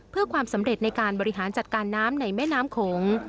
เพื่อความสำเร็จในการบริหารจัดการน้ำในแม่น้ำโขง